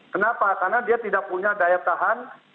kenapa karena dia tidak punya daya tahan